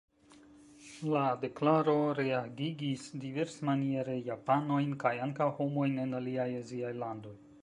La deklaro reagigis diversmaniere japanojn kaj ankaŭ homojn en aliaj aziaj landoj.